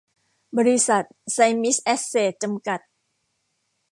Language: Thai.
บริษัท ไซมิส แอสเสท จำกัด